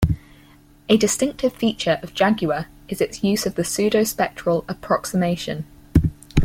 A distinctive feature of Jaguar is its use of the pseudospectral approximation.